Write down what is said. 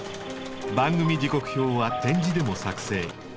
番組時刻表は点字でも作成。